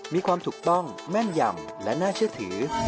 มีความถูกต้องแม่นยำและน่าเชื่อถือ